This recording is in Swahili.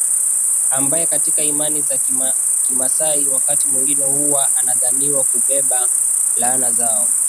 ambae katika imani za kimaasai wakati mwingine huwa anadhaniwa kubeba laana zao